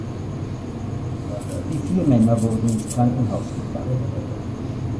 Die vier Männer wurden ins Krankenhaus gebracht.